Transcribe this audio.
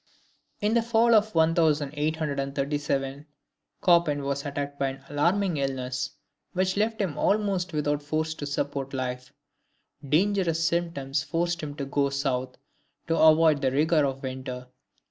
In the fall of 1837, Chopin was attacked by an alarming illness, which left him almost without force to support life. Dangerous symptoms forced him to go South to avoid the rigor of winter.